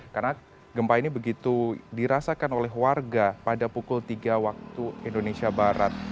karena gempa ini begitu dirasakan oleh warga pada pukul tiga waktu indonesia barat